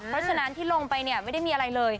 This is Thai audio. เพราะฉะนั้นที่ลงไปเนี่ยไม่ได้มีอะไรเลย